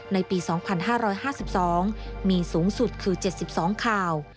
ในปี๒๕๕๒มีสูงสุดคือ๗๒ข่าว